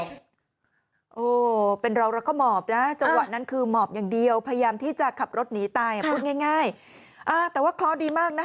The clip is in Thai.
แต่ว่าขบคลอดดีห์อย่างมากเลยนะครับ